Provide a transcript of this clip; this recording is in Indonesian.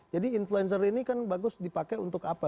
jadi influencer ini kan bagus dipakai untuk apa